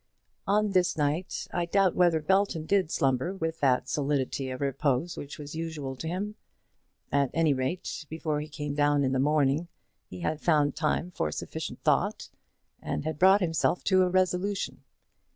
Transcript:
On this night I doubt whether Belton did slumber with that solidity of repose which was usual to him. At any rate, before he came down in the morning he had found time for sufficient thought, and had brought himself to a resolution.